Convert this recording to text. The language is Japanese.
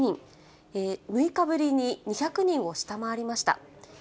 ６日ぶりに２００人を下回りました。